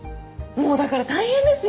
もうだから大変ですよ